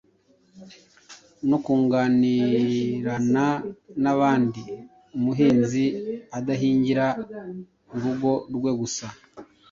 no kunganirana n’abandi umuhinzi adahingira urugo rwe gusa.